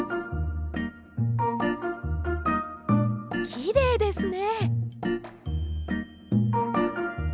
きれいですね。